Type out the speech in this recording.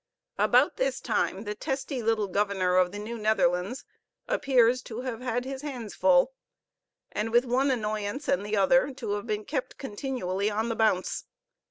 About this time, the testy little governor of the New Netherlands appears to have had his hands full, and with one annoyance and the other to have been kept continually on the bounce.